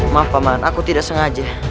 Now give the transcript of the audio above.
maaf paman aku tidak sengaja